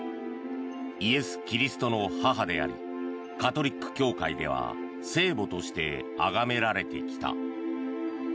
イエス・キリストの母でありカトリック教会では聖母としてあがめられてきた。